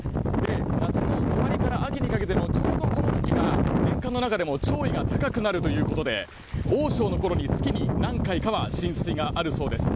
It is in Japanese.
夏の終わりから秋にかけてのちょうどこの時期が潮位が高くなるということで大潮の頃に月に何回かは浸水があるようです。